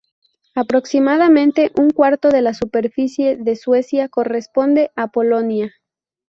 Aproximadamente un cuarto de la superficie de Suecia corresponde a Laponia.